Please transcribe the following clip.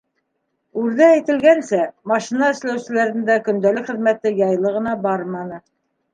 Үрҙә әйтелгәнсә, машина эшләүселәрҙең дә көндәлек хеҙмәте яйлы ғына барманы.